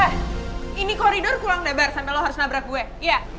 eh ini koridor kurang lebar sampe lo harus nabrak gue iya